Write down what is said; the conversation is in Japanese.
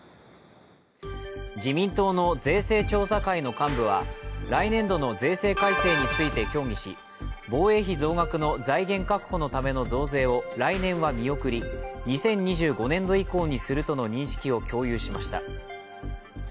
自民党の税制調査会の幹部は来年度の税制改正について協議し防衛費増額の財源確保のための増税を来年は見送り、２０２５年度以降にするとの認識を共有しました。